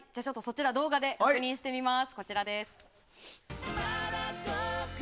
動画で確認してみます。